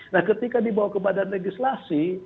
nah ketika dibawa ke badan legislasi